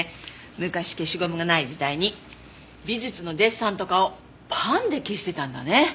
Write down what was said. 昔消しゴムがない時代に美術のデッサンとかをパンで消してたんだね。